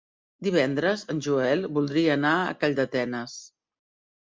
Divendres en Joel voldria anar a Calldetenes.